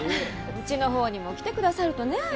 うちの方にも来てくださるとねぇ。